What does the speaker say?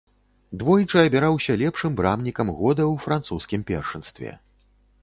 Двойчы абіраўся лепшым брамнікам года ў французскім першынстве.